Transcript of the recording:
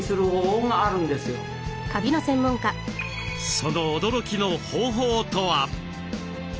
その驚きの方法とは？